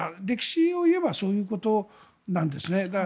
歴史を言えばそういうことなんですね。